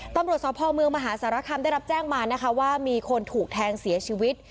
ตำรวจสพเมืองมหาสารคามได้รับแจ้งมานะคะว่ามีคนถูกแทงเสียชีวิต